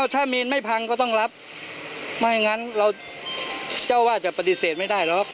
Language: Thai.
ถ้ามีนไม่พังก็ต้องรับไม่งั้นเราเจ้าว่าจะปฏิเสธไม่ได้หรอก